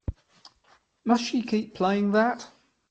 Must she keep playing that?